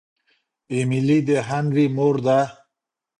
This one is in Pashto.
ایمیلي د هنري مور ده.